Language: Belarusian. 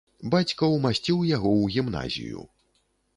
Бацька ўмасціў яго ў гімназію.